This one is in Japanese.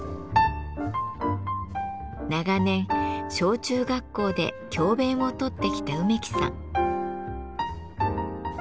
長年小中学校で教べんをとってきた梅木さん。